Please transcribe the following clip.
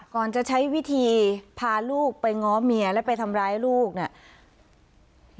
ก่อนจะใช้วิธีพาลูกไปง้อเมียแล้วไปทำร้ายลูกเนี่ย